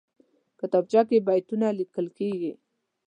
کتابچه کې بیتونه لیکل کېږي